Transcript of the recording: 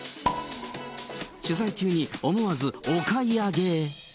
取材中に思わずお買い上げ。